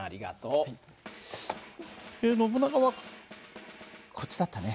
ノブナガはこっちだったね。